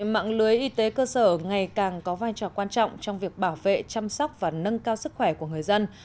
mạng lưới y tế cơ sở ngày càng có vai trò quan trọng trong việc bảo vệ chăm sóc và nâng cao sức khỏe của người dân